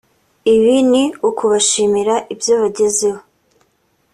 Ibi ni ukubashimira ibyo bagezeho